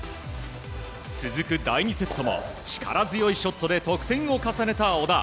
続く第２セットも力強いショットで得点を重ねた小田。